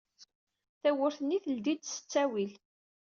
Tawwurt-nni teldi-d s ttawil.